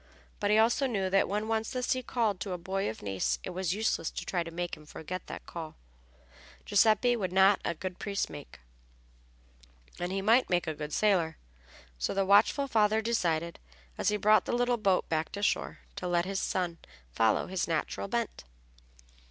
But he also knew that when once the sea called to a boy of Nice it was useless to try to make him forget the call. Giuseppe would not make a good priest, and he might make a good sailor. So the watchful father decided, as he brought the little boat back to shore, to let his son follow his natural bent.